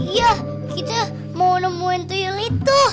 iya kita mau nemuin tuyul itu